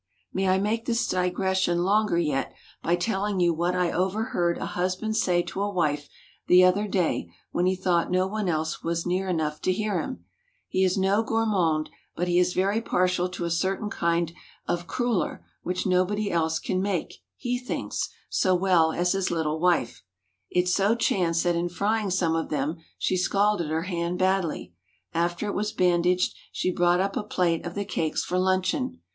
May I make this digression longer yet, by telling you what I overheard a husband say to a wife the other day when he thought no one else was near enough to hear him. He is no gourmand, but he is very partial to a certain kind of cruller which nobody else can make, he thinks, so well as his little wife. It so chanced that in frying some of them, she scalded her hand badly. After it was bandaged, she brought up a plate of the cakes for luncheon.